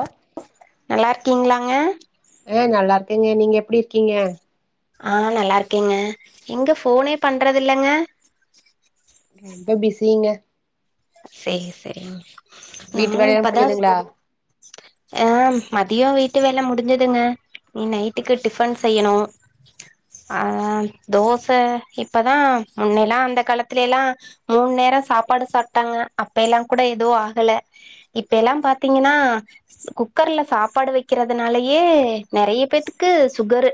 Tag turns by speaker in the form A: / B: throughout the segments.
A: ஆ
B: நல்லா இருக்கீங்ளாங்க
A: அ நல்லா இருக்கங்க நீங்க எப்டி இருக்கீங்க
B: ஆ நல்லா இருக்கேங்க எங்க ஃபோனே பண்றதுல்லங்க
A: ரொம்ப பிஸிங்க
B: சேரி சேரிங்க
A: வீட்டு
B: நானு
A: வேலையெல்லா
B: இப்பதா
A: முடிஞ்சுதுங்களா
B: ஆ மதிய வீட்டு வேல முடுஞ்சுதுங்க நைட்டுக்கு டிஃபன் செய்யணு ஆ தோச இப்பதா முன்னையெல்லா அந்த காலத்துலேல்லா மூண்நேர சாப்பாடு சாப்ட்டாங்க அப்ப எல்லா கூட எதுவு ஆகல இப்ப எல்லா பாத்தீங்கன்னா குக்கர்ல சாப்பாடு வக்கிறதுனாலயே நெறைய பேர்த்துக்கு சுகரு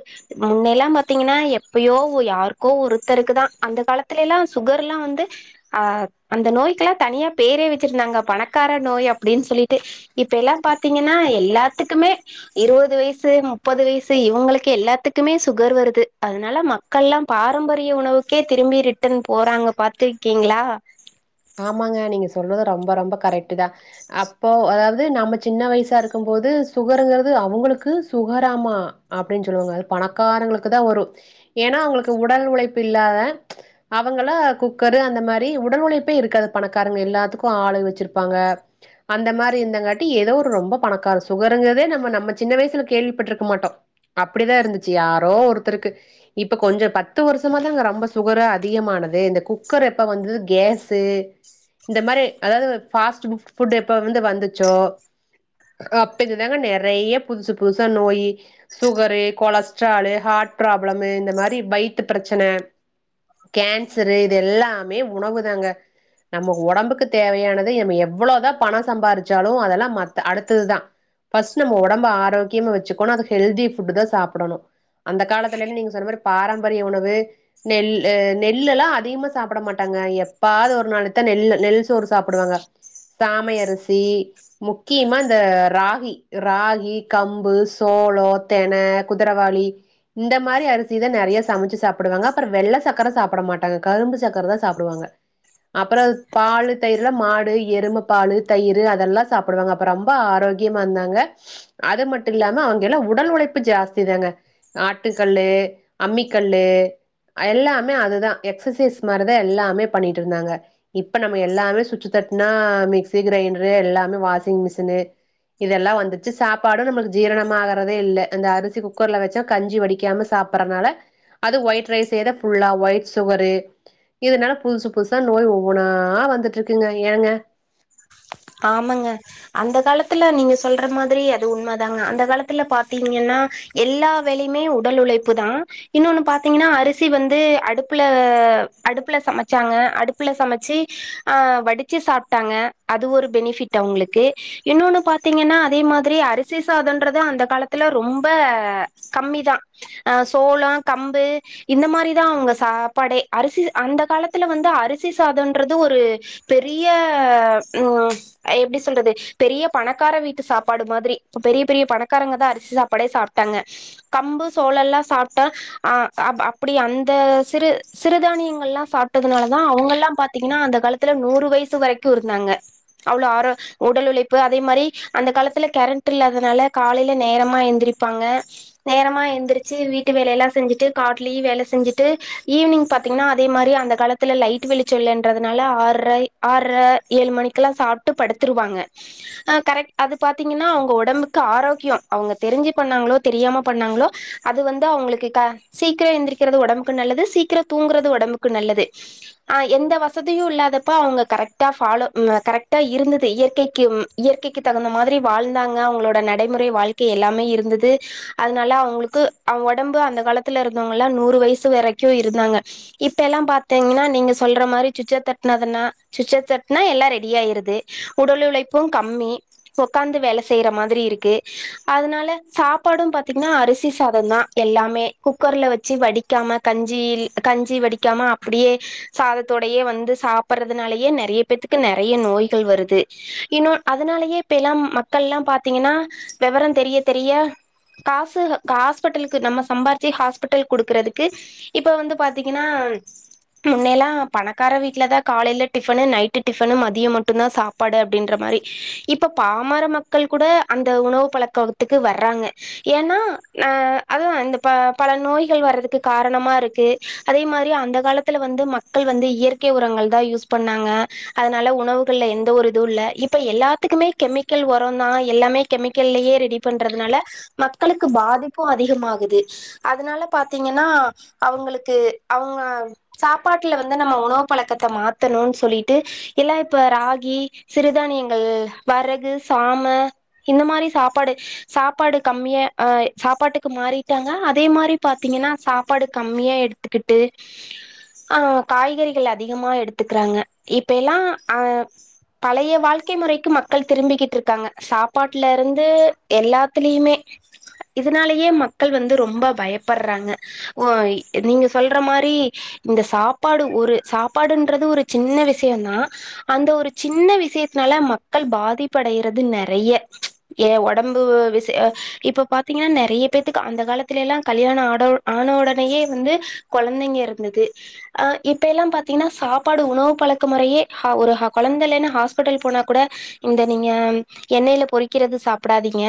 B: முன்னயெல்லா பாத்தீங்கன்னா எப்பயோ யாருக்கோ ஒருத்தருக்குதா அந்த காலத்துலேல்லா சுகர்லா வந்து ஆ அந்த நோய்க்கெல்லா தனியா பேரே வச்சிருந்தாங்க பணக்கார நோய் அப்டின்னு சொல்லிட்டு இப்ப எல்லா பாத்தீங்கன்னா எல்லாத்துக்குமே இருவது வயசு முப்பது வயசு இவுங்களுக்கு எல்லாத்துக்குமே சுகர் வருது அதனால ம க்கள்ல்லா பாரம்பரிய உணவுக்கே திரும்பி ரிட்டன் போறாங்க பாத்துருக்கீங்களா
A: ஆமாங்க நீங்க சொல்றது ரொம்ப ரொம்ப கரெக்ட்டு தா அப்போ அதாவது நம்ம சின்ன வயசா இருக்கும் போது சுகருங்கிறது அவுங்களுக்கு சுகராமா அப்டின்னு சொல்லுவாங்க அது பணக்காரங்களுக்கு தா வரு ஏன்னா அவுங்களுக்கு உடல் உழைப்பு இல்லாத அவங்கள குக்கரு அந்த மாரி உடல் உழை ப்பே இருக்காது பணக்காரங்க எல்லாத்துக்கு ஆளு வச்சிருப்பாங்க அந்த மாரி இருந்தங்காட்டி ஏதோ ஒரு ரொம்ப பணக்கார சுகருங்கறதே நம்ம நம்ம சின்ன வயசுல கேள்விப்பட்ருக்க மாட்டோ அப்டிதா இருந்துச்சு யாரோ ஒருத்தருக்கு இப்ப கொஞ்ச பத்து வருஷமா தாங்க ரொம்ப சுகரே அதிகமானது இந்த குக்கர் எப்ப வந்துது கேஸ் ஸு இந்த மாரி அதாது ஃபாஸ்ட்டு ஃபுட்டு வந்து எப்போ வந்துச்சோ அப்பேர்ந்து தாங்க நெறைய புதுசு புதுசா நோய் சுகரு கொலஸ்ட்ராலு ஹார்ட் ப்ராப்ளமு இந்த மாரி வயித்து பிரச்சன கேன்சரு இது எல்லாமே உணவு தாங்க நமக்கு ஒடம்புக்கு தேவையானது நம்ம எவ்வளோதா பணம் சம்பாரிச்சாலு அதெல்லா மத்த அடுத்ததுதா ஃபஸ்ட் நம்ம ஒடம்ப ஆரோக்கியமா வச்சுக்கணு அது ஹெல்தி ஃபுட்டு தா சாப்டணு அந்த காலத்துலே நீங்க சொன்ன மாரி பாரம்பரிய உணவு நெல்லு நெல்லெல்லா அதிகமா சாப்ட மாட்டாங்க எப் பாது ஒரு நாளைத்தா நெல்லு நெல் சோறு சாப்டுவாங்க சாமை அரிசி முக்கியமா இந்த ராகி ராகி கம்பு சோளோ தென குதிரவாளி இந்த மாரி அரிசி தா நெறைய சமைச்சு சாப்டுவாங்க அப்புற வெள்ள சக்கர சாப்ட மாட்டாங்க கரும்பு சக்கர தா சாப்டுவாங்க அப்புற அது பாலு தயிருல்லா மாடு எரும பாலு தயிரு அதெல்லா சாப்டுவாங்க ரொம்ப ஆரோக்கியமா இருந்தாங்க அது மட்டு இல்லாம அவுங்க எல்லா உடல் உழைப்பு ஜாஸ்தி தாங்க ஆட்டுக்கல்லு அம்மிக்கல்லு எல்லாமே அதுதா எக்ஸசைஸ் மாரிதா எல்லாமே பண்ணிட்டு இருந்தாங்க இப்ப நம்ம எல்லாமே சுவிட்சு தட்டுனா மிக்சி கிரைண்டரு எல்லாமே வாஷிங் மிஷினு இதெல்லா வந்துச்சு சாப்பாடு நம்மளுக்கு ஜீரணமாகறதே இல்ல இந்த அரிச குக்கர்ல வச்சு கஞ்சி வடிக்காம சாப் பறனால அது ஒயிட் ரைஸ் செய்த புலாவ் ஒயிட் சுகரு இதுனால புதுசு புதுசா நோய் ஒவ்வொன்னா வந்துட்ருக்குங்க ஏங்க
B: ஆமாங்க அந்தக் காலத்துல நீங்க சொல்ற மாதிரி அது உண்மை தாங்க அந்தக் காலத்துல பாத்தீங்கன்னா எல்லா வேலையுமே உடல் உழைப்பு தா இன்னொன்னு பாத்தீங்கன்னா அரிசி வந்து அடுப்புல அடுப்புல சமைச்சாங்க அடுப்புல சமைச்சு ஆ வடிச்சு சாப்ட்டாங்க அது ஒரு பெனிஃபிட் அவுங்களுக்கு இன்னொன்னு பாத்தீங்கன்னா அதே மாதிரி அரிசி சாதன்றது அந்த காலத்துல ரொம்ப கம்மிதா ஆ சோளோ கம்பு இந்த மாரிதா அவுங்க சாப்பாடே அரிசி அந்த காலத்துல வந்து அரிசி சாதம்ன்றது ஒரு பெரிய ம் எப்டி சொல்றது பெரிய பணக்கார வீட்டு சாப்பாடு மாதிரி பெரிய பெரிய பணக்காரங்கதா அரிசி சாப்பாடே சாப்ட்டாங்க கம்பு சோளோ எல்லா சாப்ட்டா அ ஆ அப்டி அந்த சிறு சிறுதானியங்கள் எல்லா சாப்டதுனாலதா அவுங்க எல்லா பாத்தீங்கன்னா அந்த காலத்துல நூறு வயசு வரைக்கு இருந்தாங்க அவ்ளோ ஆரோ உடல் உழைப்பு அதே மாரி அந்த காலத்துல கரண்ட் இல்லாதனால காலையில நேரமா எழுந்திரிப்பாங்க நேரமா எழுந்திரிச்சு வீட்டு வேலயெல்லா செஞ்சுட்டு காட்லயு வேல செஞ்சுட்டு ஈவினிங் பத் திங்கனா அதே மாரி அந்த காலத்துல லைட் வெளிச்சோ இல்லன்றதுனால ஆர்ற ஆர்ற ஏழு மணி க்குல்லா சாப்ட்டு படுத்துருவாங்க அ கரெக்ட் அது பாத்தீங்ன்னா அவுங்க ஒடம்புக்கு ஆரோக்யோ அவுங்க தெரிஞ்சு பண்ணாங்களோ தெரியாம பண்ணாங்களோ அது வந்து அவுங்களுக்கு க சீக்ரோ எந்திரிக்கிறது ஒடம்புக்கு நல்லது சீக்ரோ தூங்குறது ஒடம்புக்கு நல்லது ஆ எந்த வசதியு இல்லாதப்ப அவுங்க கரெக்ட்டா ஃபாலோ ம் அ கரெக்டா இருந்துது இயற்கைக்கு ம் இயற்கைக்கு தகுந்த மாதிரி வாழ்ந்தாங்க அவுங்களோட நடைமுறை வாழ் கை எல்லாமே இருந்துது அதுனால அவுங்களுக்கு அவுங் ஒடம்பு அந்த காலத்துல இருந்தவங்க எல்லா நூறு வயசு வரைக்கு இருந்தாங்க இப்ப எல்லா பாத்தீங்கன்னா நீங்க சொல்ற மாரி சுச்ச தட்டுனதுனா சுச்ச தட் னா எல்லா ரெடி ஆயிருது உடல் உழைப்பு கம்மி உக்காந்து வேல செய்ற மாதிரி இருக்கு அதனால சாப்பாடு பாத்தீங்கன்னா அரிசி சாதந்தா எல்லாமே குக்கர்ல வச்சு வடிக்காம கஞ்சி கஞ்சி வடிக்காம அப்டியே சாதத்தோடையே வந்து சாப்பறதுனாலயே நெறைய பேத்துக்கு நெறைய நோய்கள் வருது இன்னு அதனாலயே இப்ப எல்லா மக்கள் எல்லா பாத்தீங்கன்னா வேவறோ தெரிய தெரிய காசு ஆஸ்பிட்டலுக்கு நம்ம சம்பாரிச்சு ஹாஸ்பிட்டல்கு குடுக்குறதுக்கு இப்ப வந்து பாத்தீங்கன்னா முன்னையெல்லா பணக்கார வீட்லதா காலையில டிபனு நை ட்டு டிபனு மதியம் மட்டுதா சாப்பாடு அப்டின்ற மாரி இப்ப பாமர மக்கள் கூட அந்த உணவு பழக்க த்துக்கு வர்றாங்க ஏனா அ அதா இந்த ப பல நோய்கள் வர்றதுக்கு காரணமா இருக்கு அதே மாரி அந்த காலத்துல வந்து மக்கள் வந்து இயற்கை உரங்கள் தா யூஸ் பண்ணாங்க அதனால உணவுகள்ல எந்த ஒரு இதுவு இல்ல இப்ப எல்லாத்துக்குமே கெமிக்கல் ஒரோ தா எல்லாமே கெமிக்கல்லயே ரெடி பண்றதுனால மக்களுக்கு பாதிப்பு அதிகமாகுது அதனால பாத்தீங்கன்னா அவுங்களுக்கு அவுங்க சாப்பாட்டுல வந்து நம்ம உணவு பழக்கத்த மாத்தணுன்னு சொல்லி ட்டு எல்லா இப்ப ராகி சிறுதானியங்கள் வரகு சாம இந்த மாரி சாப்பாடு சாப்பாடு கம்மியா அ சாப்பாட்டுக்கு மாறிட்டாங்க அதே மாரி பாத்தீங்கன்னா சாப்பாடு கம்மியா எடுத் த்துக்கிட்டு ஆ காய்கறிகள் அதிகமா எடுத்துக்கறாங்க இப்பே எல்லா அ பழைய வாழ்க்கை முறைக்கு மக்கள் திரும்பிகிட்டு இருக்காங்க சாப்பாட்டுல இருந்து எல்லாத்லயுமே இதுனாலேயே மக்கள் வந்து ரொம்ப பயப்பறாங்க ஓ இ நீங்க சொல்ற மாரி இந்த சாப்பாடு ஒரு சாப்பாடுன்றது ஒரு சின்ன விஷயோந்தா அந்த ஒரு சின்ன விஷயத்னால மக்கள் பாதிப்படைறது நெறைய ஏ ஒடம்பு விசய இப்ப பாத்தீங்ன்னா நெறைய பேத்துக்கு அந்த காலத்துல எல்லா கல்யாண ஆட ஆன உடனேயே வந்து கொழந்தைங்க இருந்துது ஹ இப்ப எல்லா பாத்தீங்ன்னா சாப்பாடு உணவு பழ க்க முறையே ஹா ஒரு ஹா கொழந்தலன்னு ஹாஸ்பிட்டல் போனா கூட இந்த நீங்க எண்ணெயில பொறிக்கிறது சாப்டாதீங்க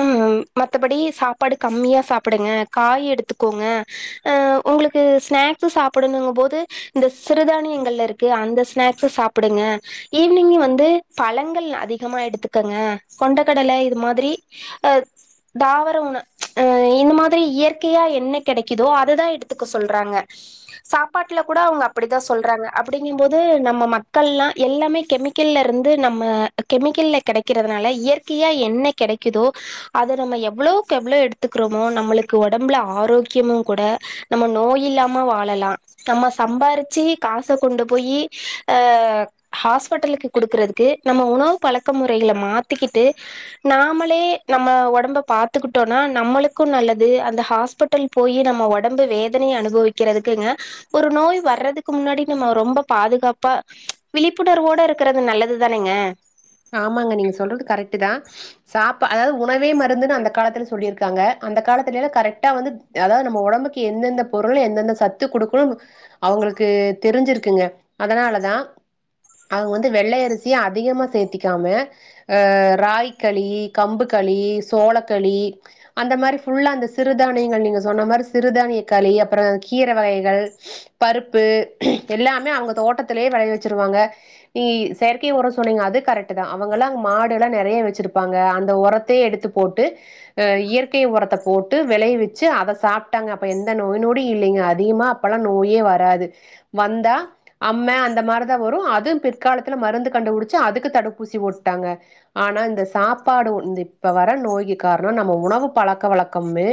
B: ம் மத்தபடி சாப்பாடு கம்மியா சாப்டுங்க காய் எடுத்துக்கோங்க அ உங்களுக்கு ஸ்நாக்ஸ் சாப்டணுங்க போது இந்த சிறுதானியங்கள்ல க்கு அந்த ஸ்நாக்ஸ் சாப்டுங்க ஈவினிங் வந்து பழங்கள் அதிகமா எடுத்துக்கங்க கொண்ட கடலை இது மாதிரி ஆ தாவர உண ஆ இந்த மாதிரி இயற்கையா என்ன கிடைக்குதோ அதுதா எடுத்துக்க சொல்றாங்க சாப்பாட்ல கூட அவுங்க அப்டிதா சொல்றாங்க அப்டிங்கும் போது நம்ம மக்கள்லா எல்லாமே கெமிக்கல்ல இருந்து நம்ம கெமிக்கல்ல கிடை கிறதுனால இயற்கையா என்ன கெடைக்கிதோ அத நம்ம எவ்ளோக்கு எவ்ளோ எடுத்துக்றோமோ நம்மளுக்கு ஒடம்புல ஆரோக்கியமும் கூட நம்ம நோய் இல்லாம வாழலா நம்ம சம்பாரிச்சு காச கொண்டு போயி ஹாஸ்பிட்டலுக்கு குடுக்குறதுக்கு நம்ம உணவு பழக்க முறைகளை மாத்திக்கிட்டு நாமளே நம்ம ஒடம்ப பாத்துக்கிட்டோனா நம்மளுக்கு நல்லது அந்த ஹாஸ்பிட் ட்டல் போய் நம்ம ஒடம்பு வேதனைய அனுபவிக்கிறதுக்குங்க ஒரு நோய் வர்றதுக்கு முன்னாடி நம்ம ரொம்ப பாதுகாப்பா விழிப்புணர்வோட இருக்கறது நல்லது தானேங்க
A: ஆமாங்க நீங்க சொல்றது கரெக்டு தா சாப்பா அதாவது உணவே மருந்துன்னு அந்த காலத்துல சொல்லிருக்காங்க அந்த காலத்துல கரெக்டா வந்து அதாவது நம்ம ஒடம்புக்கு எந்தெந்த பொருள் எந்தெந்த சத்து குடுகுனு அவுங்களுக்கு தெரிஞ்சிருக்குங்க அதனாலதா அவுங்க வந்து வெள்ளை அரிசி அதிகமா சேத்தி க்காம ராகி களி கம்பு களி சோளக்களி அந்த மாரி ஃபுல்லா அந்த சிறுதானியங்கள் நீங்க சொன்ன மாரி சிறுதானிய களி அப்றோ கீரை வகைகள் பருப்பு எல்லாமே அவுங்க தோட்டத்திலேயே விளைய வச்சிருவாங்க நீ செயற்கை உரம் சொன்னீங்க அது கரெக் ட்டு தா அவுங்கல்லா மாடு எல்லா நெறைய வச்சிருப்பாங்க அந்த உரத்தையே எடுத்து போட்டு இயற்கை உரத்த போட்டு விளை வச்சு அதை சாப்ட்டாங்க அப்ப எந்த நோய் நொடி இல்லைங்க அதிகமா அப்பல்லா நோயே வராது வந்தா அம்ம அந்த மார்தா வரூ அதும் பிற்காலத்துல மருந்து கண்டுபிடிச்சு அதுக்கு தடுப் பு ஊசி போட்டாங்க ஆனா இந்த சாப்பாடு இது வர நோய்கு கார்னோ நம்ம உணவு பழக்க வழக்கம்மு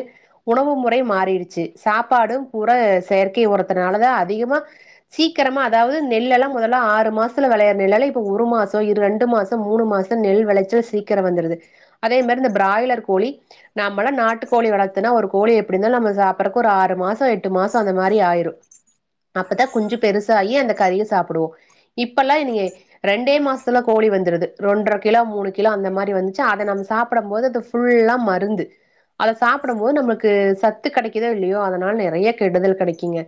A: உணவு முறை மாறிடுச்சு சாப்பாடு கூற செயற்கை உரத்துனாலதா அதிகமா சீக்கிரமா அதாவது நெல்லேல்லா முதல்ல ஆறு மாசத்துல விளையிறது நெல்லல்லா இப்ப ஒரு மாசோ ரெண் ண்டு மாசோ மூணு மாசோ நெல் விளைச்சல் சீக்கிரம் வந்துர்து அதே மாரி இந்த பிராய்லர் கோழி நம்மள நாட்டு கோழி வளத்துனா ஒரு கோழி எப்டி இருந்தாலு நம்ம சாப்பிட்டுறக்கு ஒரு ஆறு மாசோ எட்டு மாசோ அந்த மாரி ஆயிரு அப்பதா குஞ்சு பெருசாகி அந்த கறிய சாப்டுவோ இப்பல்லா இவிங்க ரெண்டே மாசத்ல கோழி வந்துடுது ரெண்ர கிலா மூணு கிலா அந்த மாரி வந்ச்சா அத நம்ம சாப்டம் போது அது ஃபுல்லா மருந்து அத சாப்டம் போது நம்மளுக்கு சத்து கிடைக்குதோ இல்லியோ அதனால நெறைய கெடுதல் கிடைக்குங்க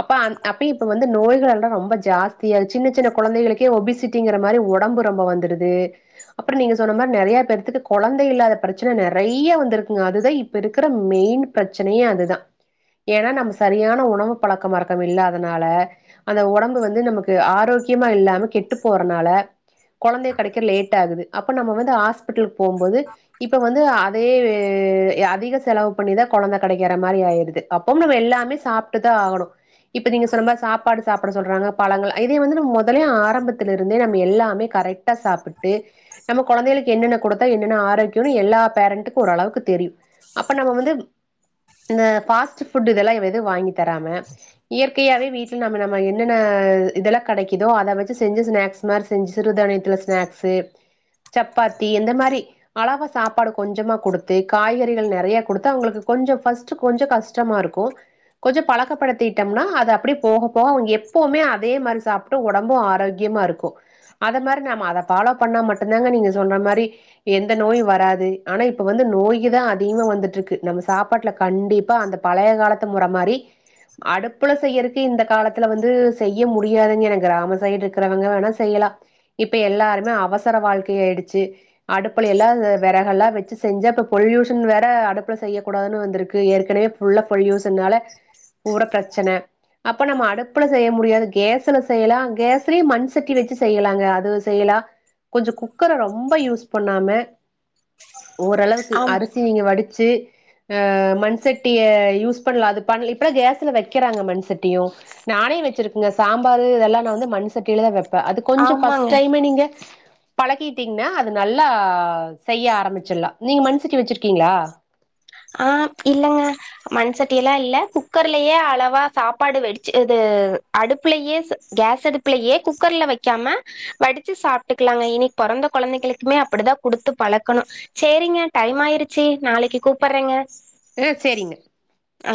A: அப்ப அப்ப இப்ப வந்து நோய்கள் எல்லாம் ரொம்ப ஜாஸ்திய சின்ன சின்ன குழந்தைளுக்கே ஒபிசிட்டிங்கிற மாதிரி ஒடம்பு ரொம்ப வந்துடுது அப்புற நீங்க சொல்ற மாரி நெறைய பேர்த்துக்கு குழந்தை இல்லாத பிரச்சனை நெறைய வந்திருக்குங்க அதுதா இப் இப்ப இருக்கிற மெயின் பிரச்சனையே அதுதா ஏனா நம்ம சரியான உணவு பழக்க மழக்கம் இல்லாதனால அந்த உடம்பு வந்து நமக்கு ஆரோக்கியமா இல்லாம கெட்டு போறனால குழந்தை கெடைக்கிற லேட் ஆகுது அப்ப நம்ம வந்து ஹாஸ்பிட்டலுக்கு போம்போது இப்ப வந்து அதே அதிக செலவு பண்ணிதா குழந்தை கெடைக்கிற மாரி ஆயிருது அப்பவு நம்ம எல்லாமே சாப்ட்டுதா ஆகணு இப்ப நீங்க சொன்னமர் சாப்பாடு சாப்பிட சொல்றாங்க பழங்கள் இதே வந்து நம்ம முதலே ஆரம்பத்திலருந்தே நம்ம எல்லா மே கரெக்ட்டா சாப்பிட்டு நம்ம குழந்தைகளுக்கு என்னென்ன குடுத்தா என்னென்ன ஆரோக்கியனு எல்லா பேரண்ட்டுக்கு ஓரளவுக்கு தெரியு அப்ப நம்ம வந்து இந்த பாஸ்ட்புட் இதெல்லா எது வாங்கி தராம இயற்கையாவே வீட்ல நம்ம நம்ம என்னென்ன இதெல்லா கெடைக்குதோ அத வச்சு செஞ்சு ஸ்நாக்ஸ் மார் செஞ்சு சிறுதானியத்துல ஸ்நாக்ஸு சப்பாத்தி இந்த மாரி அளவ சாப்பாடு கொஞ்சமா குடுத்து காய்கறிகள் நெறைய குடுத்து அவுங்களுக்கு கொஞ்ச பஸ்டு கொஞ்ச கஷ் டமா இருக்கு கொஞ்ச பழக்கப்படுத்திட்டம்னா அது அப்டி போக போக அவுங்க எப்பவுமே அதேமார் சாப் டு ஒடம்பு ஆரோக்கியமா இருக்கு அத மாரி நாம அத ஃபாலோ பண்ணா மட்டுந்தாங்க நீங்க சொன்னா மாரி எந்த நோயு வராது ஆனா இப்ப வந்து நோய்க தா அதிகமா வந்துட்ருக்கு நம்ம சாப்பாட்ல கண்டிப்பா அந்த பழைய காலத்து முறை மாரி அடுப்புல செய்யற்க்கே இந்த காலத்துல வந்து செய்ய முடியாதுங்கிறங்கிற கிராம சைடு இருக்கிறவங்க வேணா செய்யலா இப்ப எல்லாருமே அவசர வாழ்க்கையாய்டுச்சு அடுப்பில எல்லா‌ விறகல்லா வச்சு செஞ்சா இப்ப பொல்யூஷன் வேற அடுப்புல செய்யக்கூடாதுன் வந் இருக்கு ஏற்கனவே ஃபுல்ல பொலியூஸ்னால பூர பிரச்சன அப்ப நம்ம அடுப்புல செய்ய முடியாது கேஸ்ல செய்யலா கேஸ்லே மண் சட்டி வச்சு செய்யலாங் தே அதுவு செய்யலா கொஞ்ச குக்கர ரொம்ப யூஸ் பண்ணாம ஓரளவுக்கு
B: ஆம்
A: அரிசி நீங்க வடிச்சு அ மண் சட்டிய யூஸ் பண்லா அது பண் இப்பலா கேஸ்ல வெக்கிறாங்க மண்சட்டியு நானே வெச்சிருக்கங்க சாம்பாரு இதெல்லா நா வந்து மண் சட்டில தா வெப்பே அது கொஞ்ச
B: ஆமாங்க
A: ம்ம நீங்க பழகிட்டீங்னா அது நல்லா செய்ய ஆரம்பிச்சிர்லா நீங்க மண்சட்டி வெச்சிர்க்கீங்ளா
B: ஆ இல்லங்க மண் சட்டியெலா இல்ல குக்கர்லயே அளவா சாப்பாடு வெடிச்சு இது அடுப்புலயே கேஸ் அடுப்புலயே குக்கர்ல வெக்காம வடிச்சு சாப்ட்டுக்கலாங்க இனிக் பொறந்த கொழந்தைகளுக்குமே அப்பிடிதா குடுத்து பழக்கணு சரிங்க டைம் ஆயிருச்சு நாளக்கி கூப்பர்றேங்க
A: ம் செரிங்க
B: ஆ